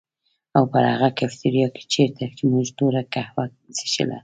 او په هر هغه کيفېټيريا کي چيرته چي مونږ توره کهوه څښله